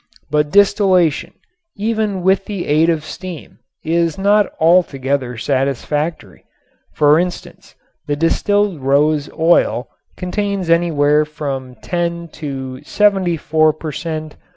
But distillation, even with the aid of steam, is not altogether satisfactory. For instance, the distilled rose oil contains anywhere from 10 to 74 per cent.